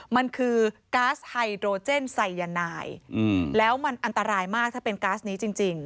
มันคือก๊าซไฮโดรเจนไซยานายแล้วมันอันตรายมากถ้าเป็นก๊าซนี้จริง